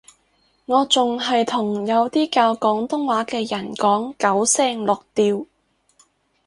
我仲係同有啲教廣東話嘅人講九聲六調